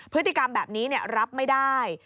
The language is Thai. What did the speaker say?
พฤติกรรมแบบนี้รับไม่ได้